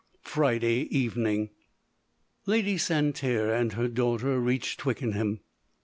" Friday Evening" Lady Santerre and her daughter reached Twickenham.